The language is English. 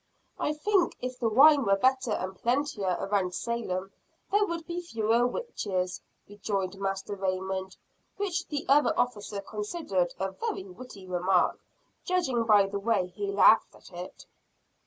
"I think if the wine were better and plentier around Salem, there would be fewer witches," rejoined Master Raymond; which the other officer considered a very witty remark, judging by the way he laughed at it.